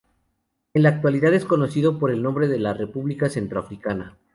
En la actualidad es conocido por el nombre de República Centroafricana.